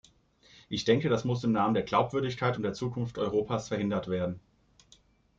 Ich denke, das muss im Namen der Glaubwürdigkeit und der Zukunft Europas verhindert werden.